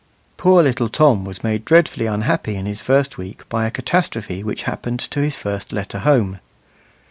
Poor little Tom was made dreadfully unhappy in his first week by a catastrophe which happened to his first letter home.